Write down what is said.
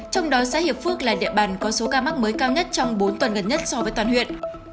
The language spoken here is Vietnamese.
trong đó xã hiệp phước là địa bàn có số ca mắc mới cao nhất trong bốn tuần gần nhất so với toàn huyện